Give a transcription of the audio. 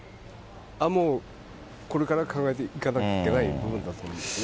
もう、これから考えていかなきゃいけない部分だと思うんですね。